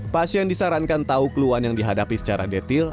pasien disarankan tahu keluhan yang dihadapi secara detil